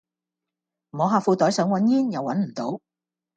摸下褲袋想搵煙又搵唔到